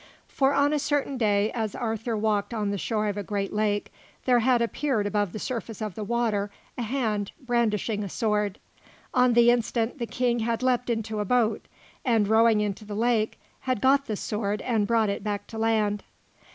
For on a certain day, as Arthur walked on the shore of a great lake, there had appeared above the surface of the water a hand brandishing a sword. On the instant, the King had leaped into a boat, and, rowing into the lake, had got the sword and brought it back to land.